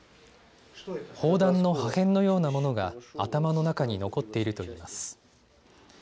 砲弾の破片のようなものが頭の中に残っているといいます。